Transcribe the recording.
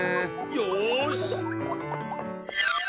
よし！